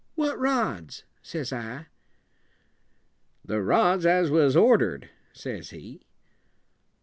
"What rods?" says I. "The rods as was order ed," says he.